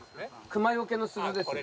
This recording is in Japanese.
熊よけの鈴ですよね？